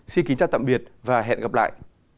xin kính chào tạm biệt và hẹn gặp lại